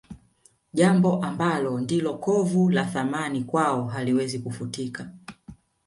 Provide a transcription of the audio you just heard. Jambo ambalo ndilo kovu la Thamani kwao haliwezi kufutika